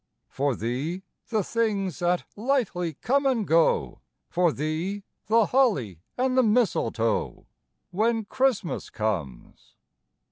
For thee, the things that lightly come and go, For thee, the holly and the mistletoe, When Christmas comes.